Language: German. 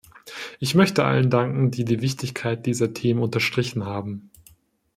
Ich möchte allen danken, die die Wichtigkeit dieser Themen unterstrichen haben.